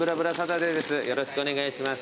よろしくお願いします。